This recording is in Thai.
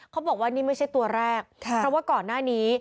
เขาบอกว่านี่ไม่ใช่ตัวแรกเพราะว่าก่อนหน้านี้